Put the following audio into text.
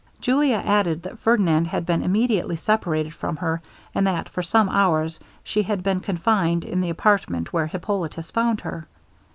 Julia added, that Ferdinand had been immediately separated from her; and that, for some hours, she had been confined in the apartment where Hippolitus found her.